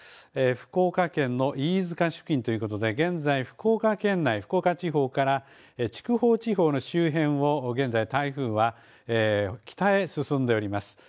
福岡県の飯塚市付近ということで、現在福岡県内福岡地方から筑豊地方の周辺を現在台風は北へ進んでおります。